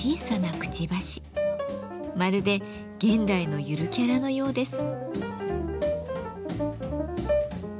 まるで現代のゆるキャラのようです。